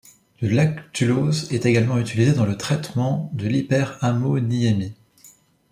Le lactulose est également utilisé dans le traitement de l’hyperammoniémie.